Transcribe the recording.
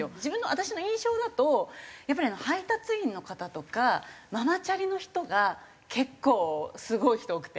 私の印象だとやっぱり配達員の方とかママチャリの人が結構すごい人多くて。